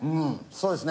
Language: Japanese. そうですね。